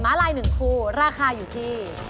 ม้าไล่